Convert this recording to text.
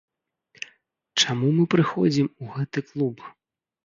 Чаму мы прыходзім у гэты клуб?